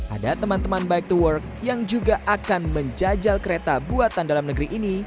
ada teman teman bike to work yang juga akan menjajal kereta buatan dalam negeri ini